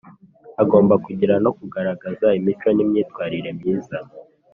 agomba kugira no kugaragaza imico n’imyitwarire myiza.